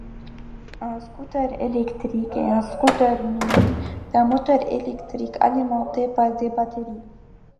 Un scooter électrique est un scooter muni d'un moteur électrique alimenté par des batteries.